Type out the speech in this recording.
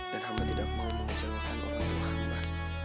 dan hamba tidak mau mengejelaskan orang tua hamba